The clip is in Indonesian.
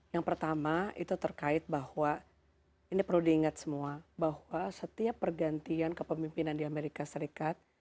yang pertama itu terkait bahwa ini perlu diingat semua bahwa setiap pergantian kepemimpinan di amerika serikat